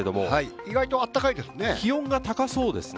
意外とあったかいですね。